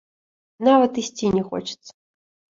Нават ісці не хочацца.